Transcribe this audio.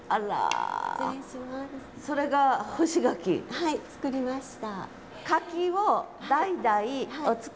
はい作りました。